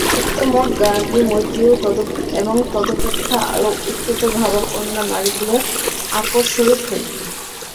উক্ত মঠ গার্গী, মৈত্রেয়ী এবং তদপেক্ষা আরও উচ্চতরভাবাপন্না নারীকুলের আকরস্বরূপ হইবে।